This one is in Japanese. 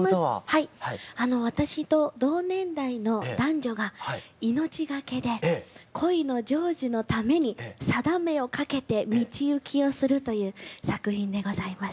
はい私と同年代の男女が命懸けで恋の成就のためにさだめを懸けて道行をするという作品でございます。